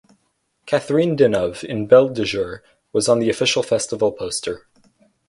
Catherine Deneuve (in "Belle de jour") was on the official festival poster.